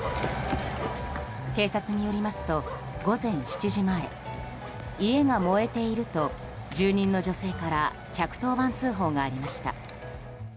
警察によりますと、午前７時前家が燃えていると住人の女性から１１０番通報がありました。